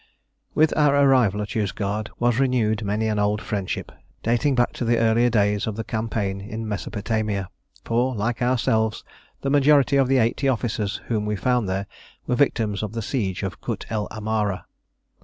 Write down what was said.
With our arrival at Yozgad was renewed many an old friendship, dating back to the earlier days of the campaign in Mesopotamia; for, like ourselves, the majority of the eighty officers whom we found there were victims of the siege of Kut el Amara.